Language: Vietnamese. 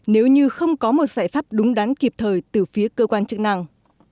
nếu như không có một giải pháp đúng đắn kịp thời từ phía cơ quan chức năng